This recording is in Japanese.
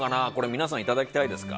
皆さん、いただきたいですか？